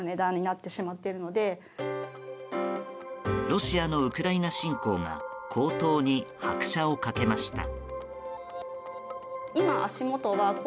ロシアのウクライナ侵攻が高騰に拍車をかけました。